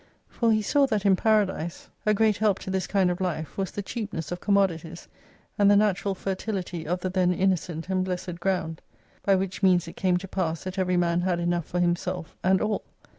For he saw that in Paradise a «S5 great help to this kind of life, was the cheapness of commodities, and the natural fertility of the then innocent and blessed ground. By which means it came to pass that every man had enough for himself, and all.